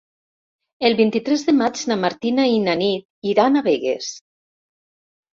El vint-i-tres de maig na Martina i na Nit iran a Begues.